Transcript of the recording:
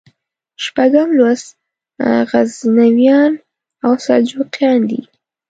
شپږم لوست غزنویان او سلجوقیان دي.